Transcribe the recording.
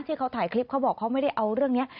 ที่เขาถ่ายคลิปเขาบอกเขาไม่ได้เอาเรื่องนี้